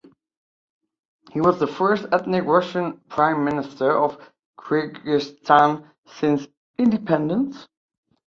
He was the first ethnic Russian Prime Minister of Kyrgyzstan since independence.